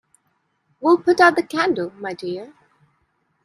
We’ll put out the candle, my dear.